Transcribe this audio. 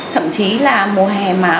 thậm chí là mùa hè mà